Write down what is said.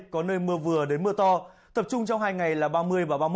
có nơi mưa vừa đến mưa to tập trung trong hai ngày là ba mươi và ba mươi